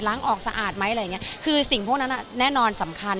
ล้างออกสะอาดมั้ยสิ่งพวกนั้นน่ะแน่นอนสำคัญ